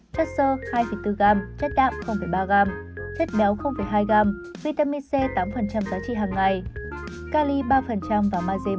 chất sơ hai bốn g chất đạm ba g chất béo hai g vitamin c tám giá trị hằng ngày cali ba và maze một